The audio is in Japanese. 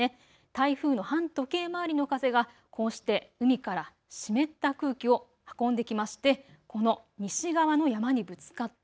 台風の反時計回りの風がこうして海から湿った空気を運んできましてこの西側の山にぶつかって